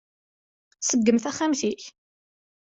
Ṣeggem taxxamt-ik!